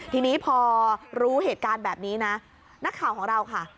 ทีนี้พอรู้เหตุการณ์แบบนี้นะนักข่าวของเราค่ะ